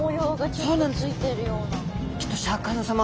きっとシャーク香音さま